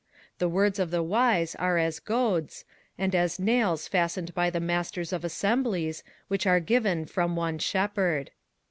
21:012:011 The words of the wise are as goads, and as nails fastened by the masters of assemblies, which are given from one shepherd.